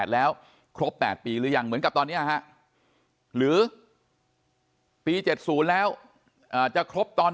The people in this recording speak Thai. แล้วครบ๘ปีหรือยังเหมือนกับตอนนี้ฮะหรือปี๗๐แล้วจะครบตอน